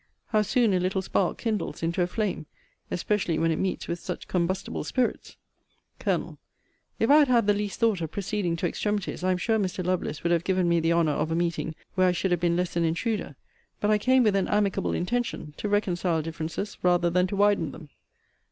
How soon a little spark kindles into a flame; especially when it meets with such combustible spirits! Col. If I had had the least thought of proceeding to extremities, I am sure Mr. Lovelace would have given me the honour of a meeting where I should have been less an intruder: but I came with an amicable intention; to reconcile differences rather than to widen them.